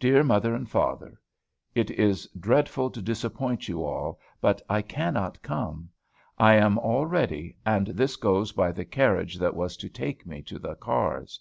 DEAR FATHER AND MOTHER, It is dreadful to disappoint you all, but I cannot come. I am all ready, and this goes by the carriage that was to take me to the cars.